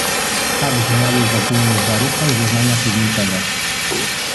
"Tak brzmiały w ogólnych zarysach zeznania piwniczego."